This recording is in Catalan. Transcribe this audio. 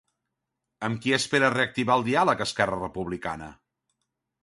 Amb qui espera reactivar el diàleg Esquerra Republicana?